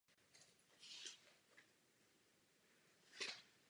Byl nominován na Cenu japonské akademie za nejlepší celovečerní animovaný film.